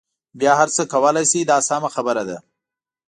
بیا هر څه کولای شئ دا سمه خبره ده.